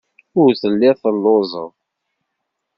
Ur telliḍ telluẓeḍ.